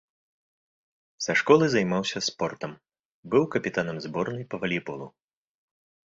Са школы займаўся спортам, быў капітанам зборнай па валейболу.